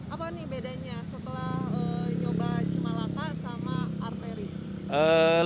apa nih bedanya setelah nyoba cimalaka sama arteri